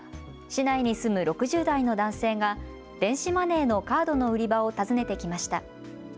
市内に住む６０代の男性が電子マネーのカードの売り場を尋ねてきました。